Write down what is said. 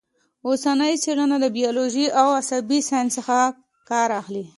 اوسنۍ څېړنه د بیولوژۍ او عصبي ساینس څخه کار اخلي